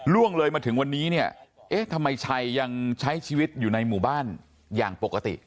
ล่วงเลยมาถึงวันนี้เนี่ยเอ๊ะทำไมชัยยังใช้ชีวิตอยู่ในหมู่บ้านอย่างปกติ